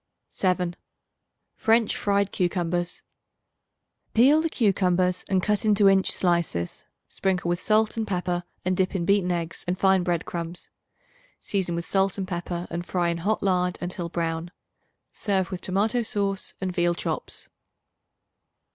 7. French Fried Cucumbers. Peel the cucumbers and cut into inch slices. Sprinkle with salt and pepper and dip in beaten eggs and fine bread crumbs. Season with salt and pepper and fry in hot lard until brown. Serve with tomato sauce and veal chops.